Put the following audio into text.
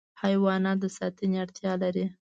حیوانات د ساتنې اړتیا لري.